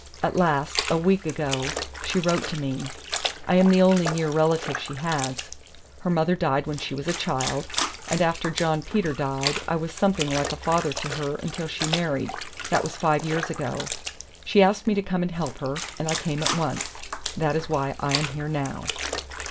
At last, a week ago, she wrote to me. I am the only near relative she has. Her mother died when she was a child; and after John Peter died, I was something like a father to her until she married that was five years ago. She asked me to come and help her, and I came at once. That is why I am here now."